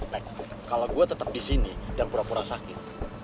lex kalau gue tetep disini dan pura pura sakit